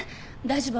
大丈夫。